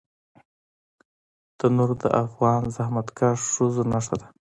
تنور د افغان زحمتکښ ښځو نښه ده